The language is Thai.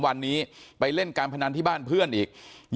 วันนี้ไปเล่นการพนันที่บ้านเพื่อนอีก